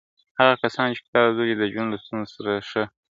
هغه کسان چي کتاب لولي د ژوند له ستونزو سره ښه ..